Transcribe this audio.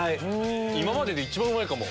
今までで一番うまいかも。